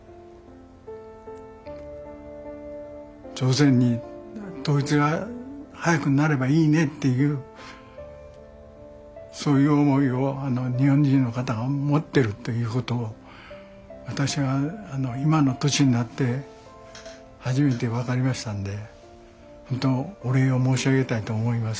朝鮮に統一が早くなればいいねっていうそういう思いを日本人の方が持ってるということを私は今の年になって初めて分かりましたんで本当お礼を申し上げたいと思います。